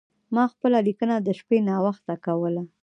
ما خپله لیکنه د شپې ناوخته کوله.